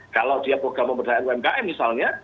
kalau dia program pemberdayaan umkm misalnya